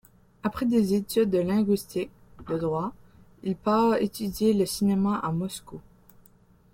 Après des études de linguistique, de droit, il part étudier le cinéma à Moscou.